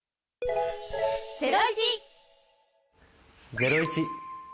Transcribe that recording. ゼロイチ！